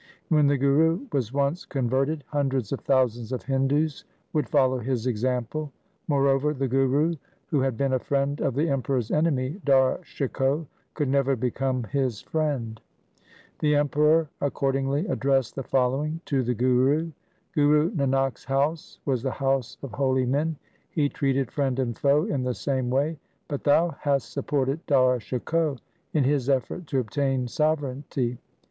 When the Guru was once converted, hundreds of thousands of Hindus would follow his example. Moreover, the Guru, who had been a friend of the Emperor's enemy, Dara Shikoh, could never become his friend. LIFE OF GURU HAR RAI 305 The Emperor accordingly addressed the following to the Guru :—' Guru Nanak's house was the house of holy men. He treated friend and foe in the same way, but thou hast supported Dara Shikoh in his effort to obtain sovereignty.